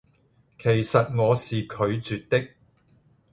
其實我是拒絕的